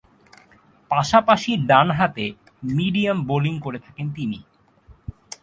পাশাপাশি ডানহাতে medium bowling করে থাকেন তিনি।